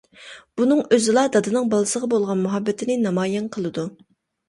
بۇنىڭ ئۆزىلا دادىنىڭ بالىسىغا بولغان مۇھەببىتىنى نامايان قىلىدۇ.